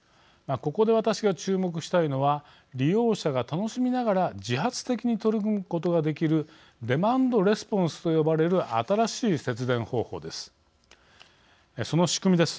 ここで私が注目したいのは利用者が楽しみながら自発的に取り組むことができるデマンドレスポンスと呼ばれる新しい節電方法です。